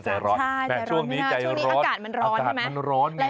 โอ้เพราะสุดท้ายใจร้อนอย่างนี้อากาศมันร้อนใช่ไหม